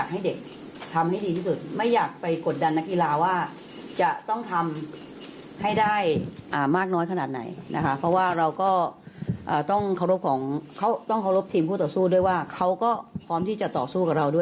ให้ทำให้เต็มที่สุด